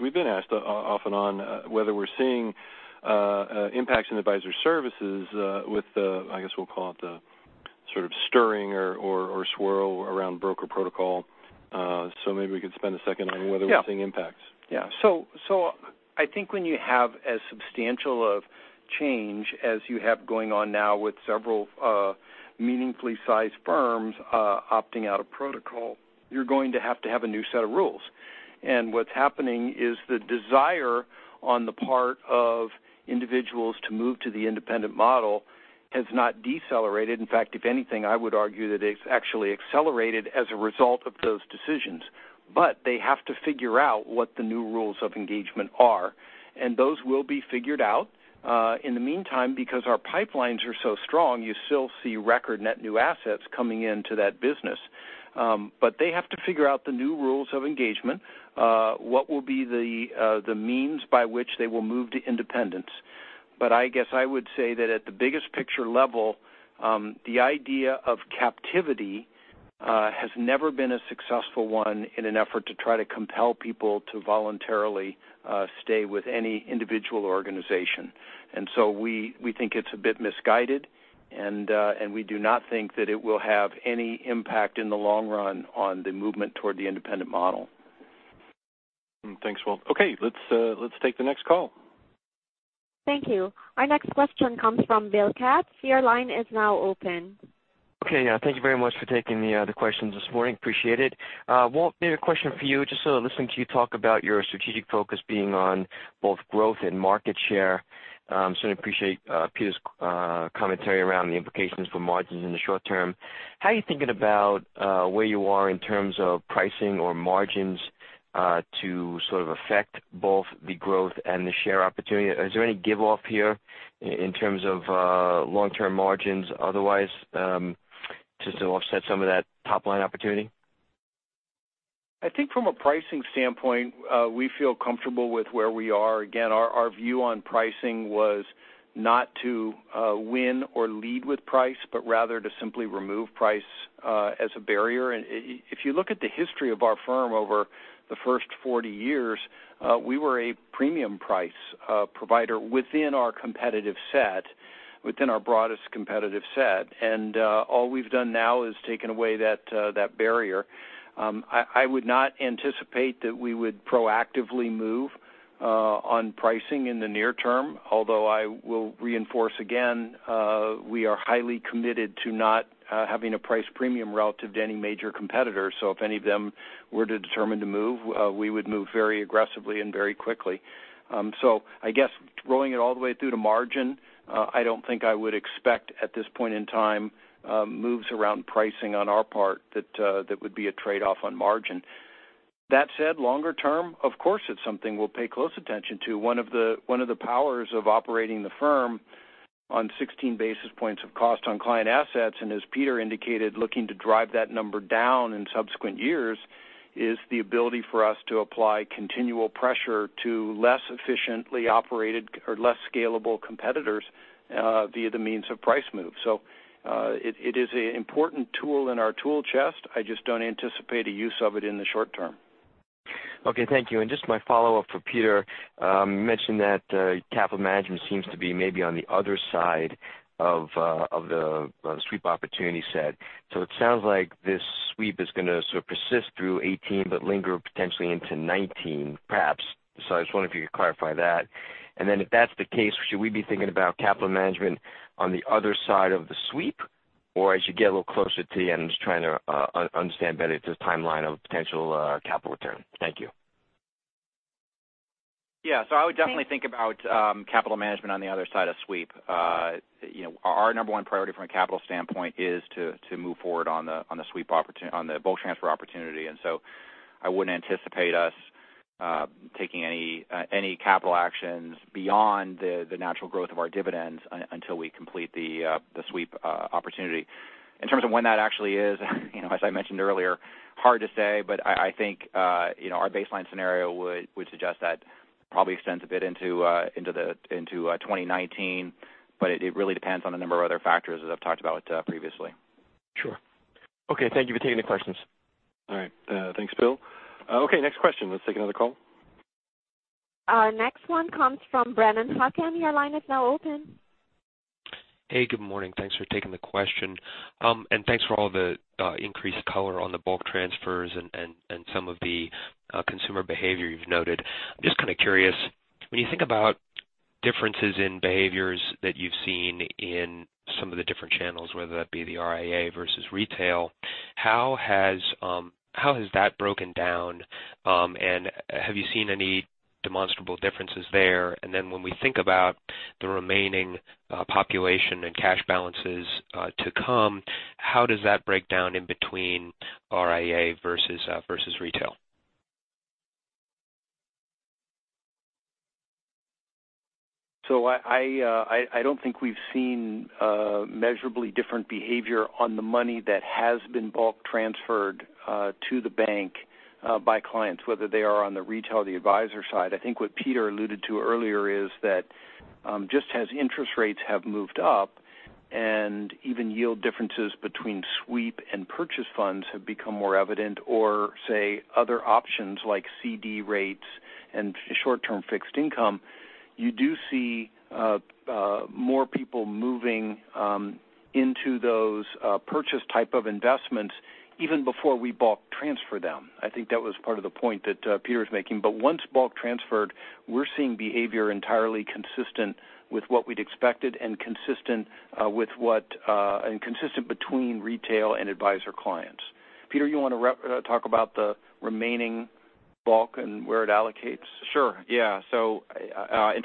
We've been asked off and on whether we're seeing impacts in Schwab Advisor Services with the, I guess we'll call it the sort of stirring or swirl around Broker Protocol. Maybe we could spend a second on whether we're seeing impacts. Yeah. I think when you have as substantial of change as you have going on now with several meaningfully sized firms opting out of protocol, you're going to have to have a new set of rules. What's happening is the desire on the part of individuals to move to the independent model has not decelerated. In fact, if anything, I would argue that it's actually accelerated as a result of those decisions. They have to figure out what the new rules of engagement are, and those will be figured out. In the meantime, because our pipelines are so strong, you still see record net new assets coming into that business. They have to figure out the new rules of engagement, what will be the means by which they will move to independence. I guess I would say that at the biggest picture level, the idea of captivity has never been a successful one in an effort to try to compel people to voluntarily stay with any individual organization. We think it's a bit misguided, and we do not think that it will have any impact in the long run on the movement toward the independent model. Thanks, Walt. Okay. Let's take the next call. Thank you. Our next question comes from Bill Katz. Your line is now open. Okay. Thank you very much for taking the questions this morning. Appreciate it. Walt, maybe a question for you, just listening to you talk about your strategic focus being on both growth and market share. Certainly appreciate Peter's commentary around the implications for margins in the short term. How are you thinking about where you are in terms of pricing or margins to sort of affect both the growth and the share opportunity? Is there any give off here in terms of long-term margins otherwise to offset some of that top-line opportunity? I think from a pricing standpoint, we feel comfortable with where we are. Again, our view on pricing was not to win or lead with price, but rather to simply remove price as a barrier. If you look at the history of our firm over the first 40 years, we were a premium price provider within our broadest competitive set. All we've done now is taken away that barrier. I would not anticipate that we would proactively move on pricing in the near term, although I will reinforce again, we are highly committed to not having a price premium relative to any major competitor. If any of them were to determine to move, we would move very aggressively and very quickly. I guess rolling it all the way through to margin, I don't think I would expect at this point in time, moves around pricing on our part that would be a trade-off on margin. That said, longer term, of course, it's something we'll pay close attention to. One of the powers of operating the firm on 16 basis points of cost on client assets, and as Peter indicated, looking to drive that number down in subsequent years, is the ability for us to apply continual pressure to less efficiently operated or less scalable competitors via the means of price moves. It is an important tool in our tool chest. I just don't anticipate a use of it in the short term. Okay. Thank you. Just my follow-up for Peter, you mentioned that capital management seems to be maybe on the other side of the sweep opportunity set. It sounds like this sweep is going to sort of persist through 2018, but linger potentially into 2019, perhaps. I just wonder if you could clarify that. If that's the case, should we be thinking about capital management on the other side of the sweep, or as you get a little closer to the end, just trying to understand better the timeline of potential capital return. Thank you. I would definitely think about capital management on the other side of sweep. Our number 1 priority from a capital standpoint is to move forward on the bulk transfer opportunity. I wouldn't anticipate us taking any capital actions beyond the natural growth of our dividends until we complete the sweep opportunity. In terms of when that actually is, as I mentioned earlier, hard to say, but I think our baseline scenario would suggest that probably extends a bit into 2019, but it really depends on a number of other factors that I've talked about previously. Sure. Okay. Thank you for taking the questions. All right. Thanks, Bill. Okay, next question. Let's take another call. Our next one comes from Brennan Hawken. Your line is now open. Good morning. Thanks for taking the question. Thanks for all the increased color on the bulk transfers and some of the consumer behavior you've noted. Just kind of curious, when you think about differences in behaviors that you've seen in some of the different channels, whether that be the RIA versus retail, how has that broken down? Have you seen any demonstrable differences there? When we think about the remaining population and cash balances to come, how does that break down in between RIA versus retail? I don't think we've seen measurably different behavior on the money that has been bulk transferred to the bank by clients, whether they are on the retail or the advisor side. I think what Peter alluded to earlier is that just as interest rates have moved up, and even yield differences between sweep and purchase funds have become more evident, or say, other options like CD rates and short-term fixed income, you do see more people moving into those purchase type of investments even before we bulk transfer them. I think that was part of the point that Peter was making. Once bulk transferred, we're seeing behavior entirely consistent with what we'd expected and consistent between retail and advisor clients. Peter, you want to talk about the remaining bulk and where it allocates? Sure, yeah. I'd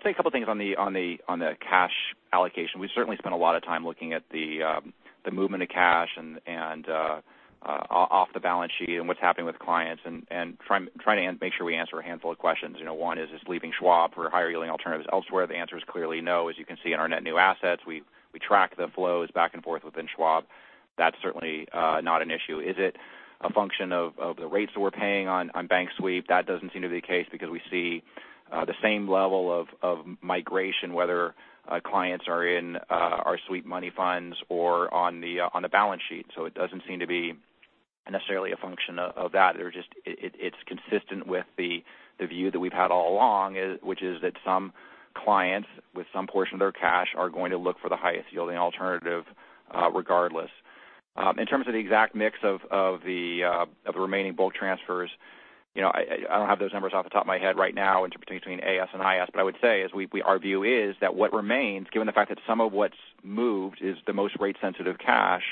say a couple of things on the cash allocation. We certainly spent a lot of time looking at the movement of cash off the balance sheet and what's happening with clients and trying to make sure we answer a handful of questions. One is this leaving Schwab for higher yielding alternatives elsewhere? The answer is clearly no. As you can see in our net new assets, we track the flows back and forth within Schwab. That's certainly not an issue. Is it a function of the rates that we're paying on bank sweep? That doesn't seem to be the case because we see the same level of migration, whether clients are in our sweep money funds or on the balance sheet. It doesn't seem to be necessarily a function of that. It's consistent with the view that we've had all along, which is that some clients with some portion of their cash are going to look for the highest yielding alternative regardless. In terms of the exact mix of the remaining bulk transfers, I don't have those numbers off the top of my head right now in between AS and IS, but I would say is our view is that what remains, given the fact that some of what's moved is the most rate sensitive cash,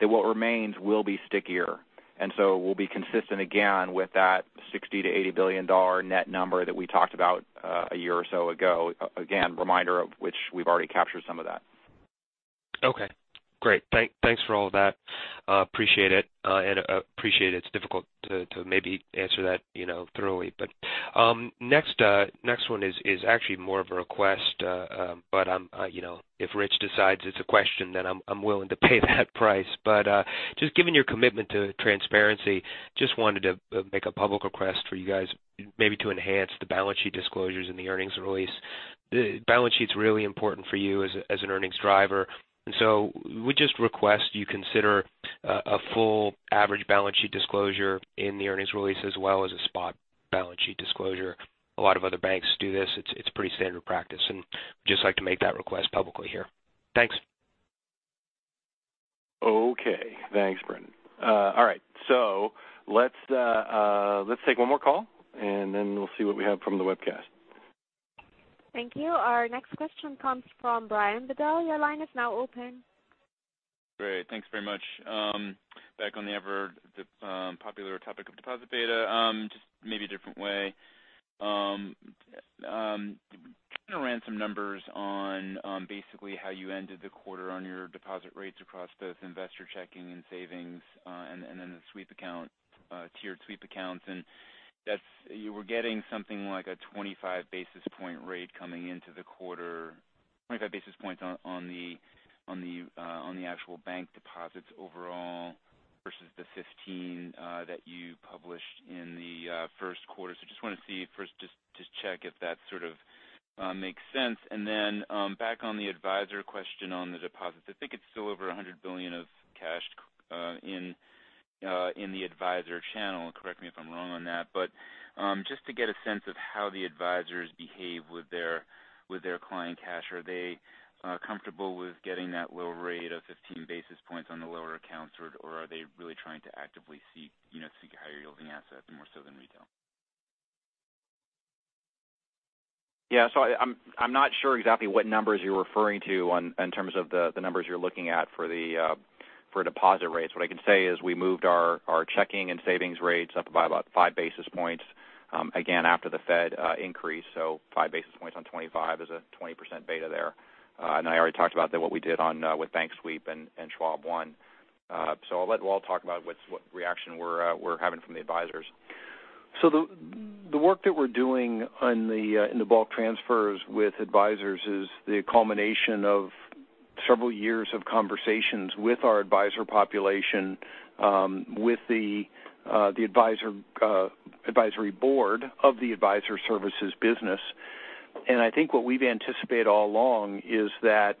that what remains will be stickier. It will be consistent again with that $60 billion-$80 billion net number that we talked about a year or so ago. Again, reminder of which we've already captured some of that. Okay. Great. Thanks for all that. Appreciate it. Appreciate it's difficult to maybe answer that thoroughly. Next one is actually more of a request. If Rich decides it's a question, then I'm willing to pay that price. Just given your commitment to transparency, just wanted to make a public request for you guys maybe to enhance the balance sheet disclosures in the earnings release. The balance sheet's really important for you as an earnings driver, we just request you consider a full average balance sheet disclosure in the earnings release as well as a spot balance sheet disclosure. A lot of other banks do this. It's pretty standard practice, just like to make that request publicly here. Thanks. Okay. Thanks, Brennan. All right. Let's take one more call, then we'll see what we have from the webcast. Thank you. Our next question comes from Brian Bedell. Your line is now open. Great. Thanks very much. Back on the ever popular topic of deposit beta. Just maybe a different way. Kind of ran some numbers on basically how you ended the quarter on your deposit rates across both investor checking and savings, the tiered sweep accounts. You were getting something like a 25 basis point rate coming into the quarter, 25 basis points on the actual bank deposits overall versus the 15 that you published in the first quarter. Just want to see first just check if that sort of makes sense. Back on the advisor question on the deposits. I think it's still over $100 billion of cash in the advisor channel, correct me if I'm wrong on that, just to get a sense of how the advisors behave with their client cash. Are they comfortable with getting that low rate of 15 basis points on the lower accounts, or are they really trying to actively seek higher yielding assets more so than retail? I'm not sure exactly what numbers you're referring to in terms of the numbers you're looking at for deposit rates. What I can say is we moved our checking and savings rates up by about 5 basis points, again, after the Fed increase. 5 basis points on 25 is a 20% beta there. I already talked about what we did with bank sweep and Schwab One. I'll let Walt talk about what reaction we're having from the advisors. The work that we're doing in the bulk transfers with advisors is the culmination of several years of conversations with our advisor population, with the advisory board of the Advisor Services business. I think what we've anticipated all along is that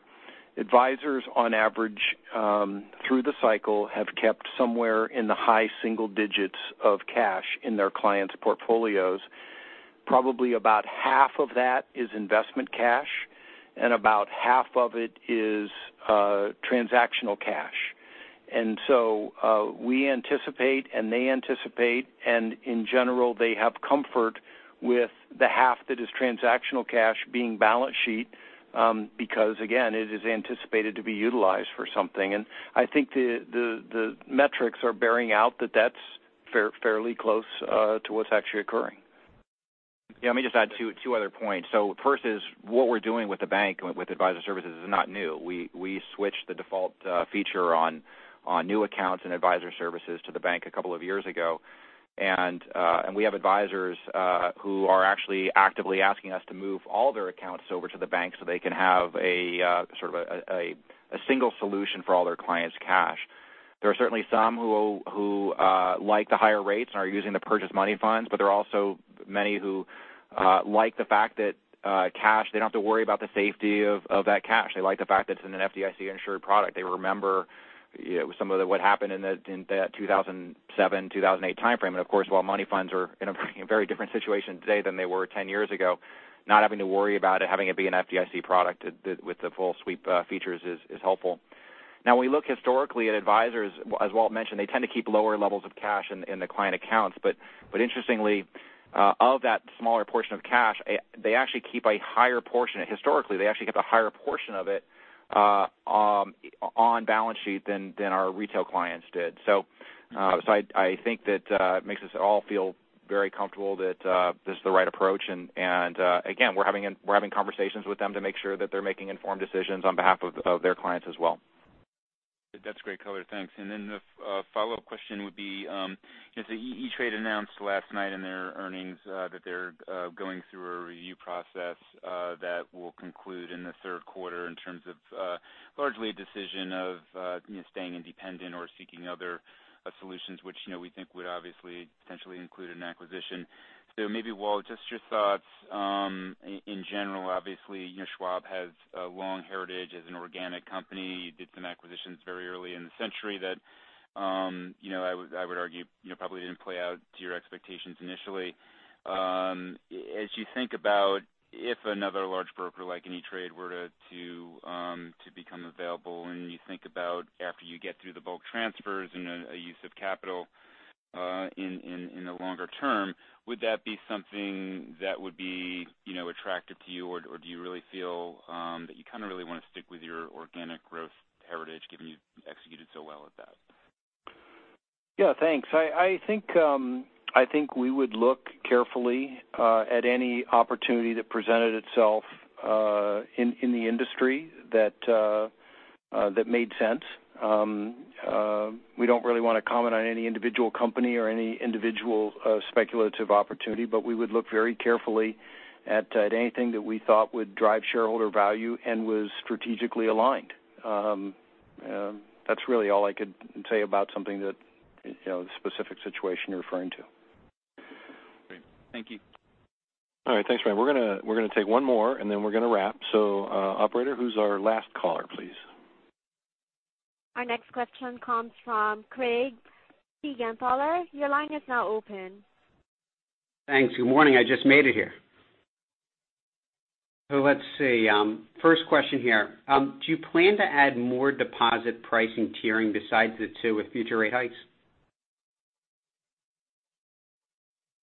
advisors, on average, through the cycle, have kept somewhere in the high single digits of cash in their clients' portfolios. Probably about half of that is investment cash and about half of it is transactional cash. We anticipate and they anticipate, and in general, they have comfort with the half that is transactional cash being balance sheet because, again, it is anticipated to be utilized for something. I think the metrics are bearing out that that's fairly close to what's actually occurring. Let me just add 2 other points. First is what we're doing with the bank with Advisor Services is not new. We switched the default feature on new accounts and Advisor Services to the bank a couple of years ago. We have advisors who are actually actively asking us to move all their accounts over to the bank so they can have a sort of a single solution for all their clients' cash. There are certainly some who like the higher rates and are using the purchased money funds, but there are also many who like the fact that they don't have to worry about the safety of that cash. They like the fact that it's an FDIC-insured product. They remember some of what happened in that 2007, 2008 timeframe. Of course, while money funds are in a very different situation today than they were 10 years ago, not having to worry about it having it be an FDIC product with the full sweep features is helpful. We look historically at advisors, as Walt mentioned, they tend to keep lower levels of cash in the client accounts. Interestingly, of that smaller portion of cash, historically they actually kept a higher portion of it on balance sheet than our retail clients did. I think that makes us all feel very comfortable that this is the right approach. Again, we're having conversations with them to make sure that they're making informed decisions on behalf of their clients as well. That's great color. Thanks. The follow-up question would be, E*TRADE announced last night in their earnings that they're going through a review process that will conclude in the third quarter in terms of largely a decision of staying independent or seeking other solutions, which we think would obviously potentially include an acquisition. Maybe, Walt, just your thoughts in general. Obviously, Schwab has a long heritage as an organic company. You did some acquisitions very early in the century that I would argue, probably didn't play out to your expectations initially. As you think about if another large broker like E*TRADE were to become available, you think about after you get through the bulk transfers and a use of capital, in the longer term, would that be something that would be attractive to you, do you really feel that you kind of really want to stick with your organic growth heritage, given you've executed so well at that? Yeah, thanks. I think we would look carefully at any opportunity that presented itself in the industry that made sense. We don't really want to comment on any individual company or any individual speculative opportunity, we would look very carefully at anything that we thought would drive shareholder value and was strategically aligned. That's really all I could say about something, the specific situation you're referring to. Great. Thank you. All right. Thanks, Brian. We're going to take one more, and then we're going to wrap. Operator, who's our last caller, please? Our next question comes from Craig Fegan. Caller, your line is now open. Thanks. Good morning. I just made it here. Let's see. First question here. Do you plan to add more deposit pricing tiering besides the two with future rate hikes?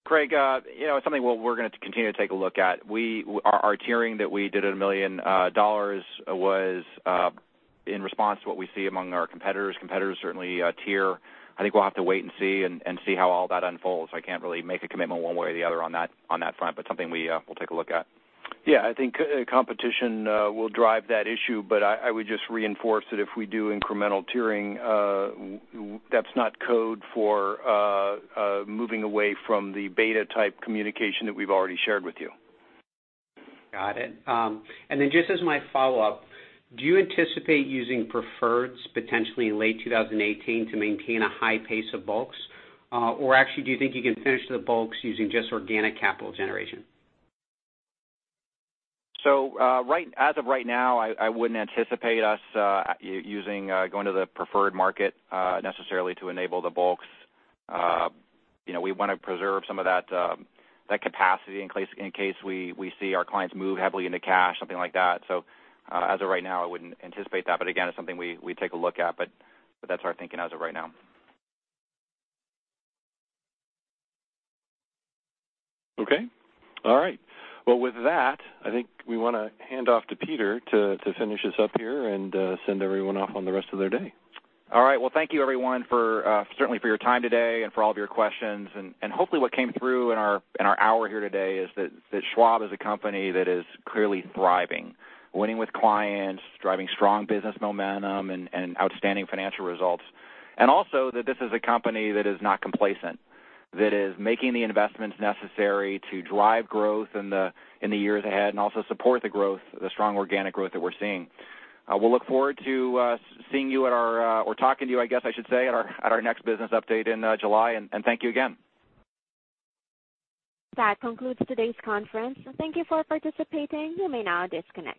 Craig Fegan, it's something we're going to continue to take a look at. Our tiering that we did at $1 million was in response to what we see among our competitors. Competitors certainly tier. I think we'll have to wait and see and see how all that unfolds. I can't really make a commitment one way or the other on that front, but something we'll take a look at. Yeah, I think competition will drive that issue. I would just reinforce that if we do incremental tiering, that's not code for moving away from the beta type communication that we've already shared with you. Got it. Then just as my follow-up, do you anticipate using preferreds potentially in late 2018 to maintain a high pace of bulks? Actually, do you think you can finish the bulks using just organic capital generation? As of right now, I wouldn't anticipate us going to the preferred market necessarily to enable the bulks. We want to preserve some of that capacity in case we see our clients move heavily into cash, something like that. As of right now, I wouldn't anticipate that. Again, it's something we'd take a look at. That's our thinking as of right now. Okay. All right. Well, with that, I think we want to hand off to Peter to finish this up here and send everyone off on the rest of their day. All right. Well, thank you everyone, certainly for your time today and for all of your questions. Hopefully what came through in our hour here today is that Schwab is a company that is clearly thriving, winning with clients, driving strong business momentum, and outstanding financial results. Also that this is a company that is not complacent, that is making the investments necessary to drive growth in the years ahead and also support the strong organic growth that we're seeing. We'll look forward to seeing you at our, or talking to you, I guess I should say, at our next business update in July. Thank you again. That concludes today's conference. Thank you for participating. You may now disconnect.